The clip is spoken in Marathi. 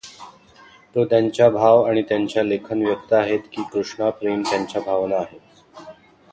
तो त्यांच्या भाव आणि त्यांच्या लेखन व्यक्त आहेत की कृष्णा प्रेम त्यांच्या भावना आहे.